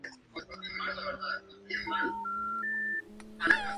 Su antigua denominación era San Juan de Sabinas.